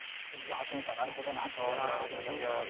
８二飛車なるほどなと思いましたが。